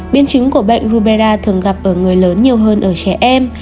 biên chứng của bệnh rubella thường gặp ở người lớn nhiều hơn ở trẻ em